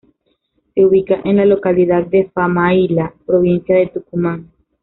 Se ubica en la localidad de Famaillá, Provincia de Tucumán.